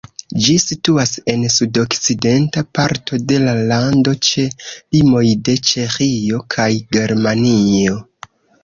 Ĝi situas en sudokcidenta parto de la lando ĉe limoj de Ĉeĥio kaj Germanio.